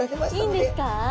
いいんですか？